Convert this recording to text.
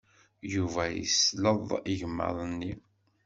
Yuba yesleḍ igmaḍ-nni.